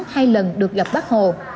hai lần được gặp bác hồ